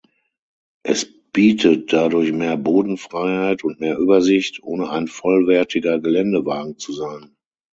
Es bietet dadurch mehr Bodenfreiheit und mehr Übersicht, ohne ein vollwertiger Geländewagen zu sein.